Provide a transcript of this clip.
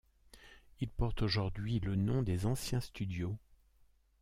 Ils portent aujourd’hui le nom des anciens studios.